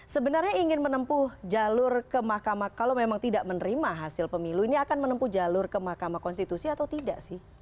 sebenarnya ingin menempuh jalur ke mahkamah kalau memang tidak menerima hasil pemilu ini akan menempuh jalur ke mahkamah konstitusi atau tidak sih